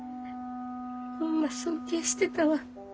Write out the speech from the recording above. ホンマ尊敬してたわ。